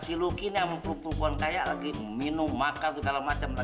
si luki nih sama perempuan kaya lagi minum makan segala macem